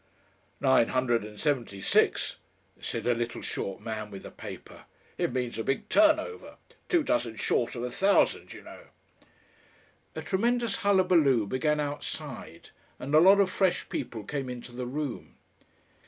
"Nine hundred and seventy six," said a little short man with a paper. "It means a big turnover. Two dozen short of a thousand, you know." A tremendous hullaboo began outside, and a lot of fresh people came into the room.